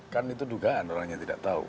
kan itu dugaan orang yang tidak tahu